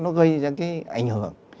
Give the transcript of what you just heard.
nó gây ra cái ảnh hưởng